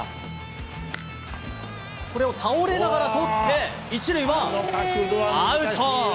これを倒れながら捕って、１塁は、アウト。